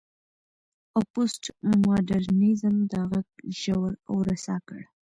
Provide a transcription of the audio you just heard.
او پوسټ ماډرنيزم دا غږ ژور او رسا کړ.